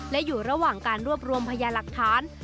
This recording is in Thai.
และอยู่ระหว่างการรวบรวมพยาหลักฐาน